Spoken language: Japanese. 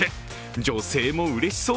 女性もうれしそう。